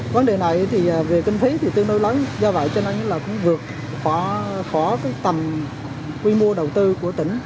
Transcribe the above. vấn đề này thì về kinh phí thì tương đối lớn do vậy cho nên là cũng vượt khỏi cái tầm quy mô đầu tư của tỉnh